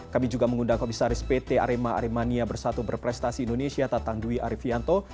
kami juga mengundang komisaris pt arema aremania bersatu berprestasi indonesia tatang dwi arifianto